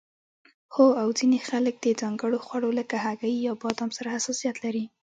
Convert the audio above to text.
هو او ځینې خلک د ځانګړو خوړو لکه هګۍ یا بادام سره حساسیت لري